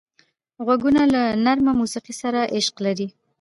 غوږونه له نرمه موسیقۍ سره عشق لري